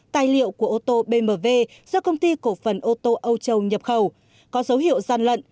tài liệu của ô tô bmw do công ty cổ phần ô tô âu châu nhập khẩu có dấu hiệu gian lận